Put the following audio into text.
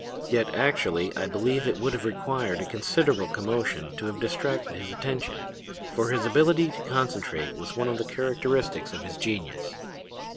Yet actually I believe it would have required a considerable commotion to have distracted his attention, for his ability to concentrate was one of the characteristics of his genius.